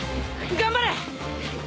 頑張れ！